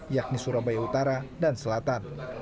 yakni surabaya utara dan selatan